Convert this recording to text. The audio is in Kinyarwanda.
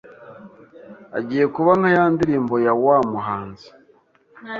Agiye kuba nka ya ndirimbo yaw a muhanzi